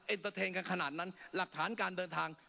เตอร์เทนกันขนาดนั้นหลักฐานการเดินทาง